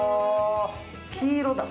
黄色だ。